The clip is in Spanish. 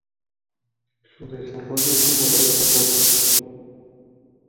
Su desarrollo tuvo dos propósitos.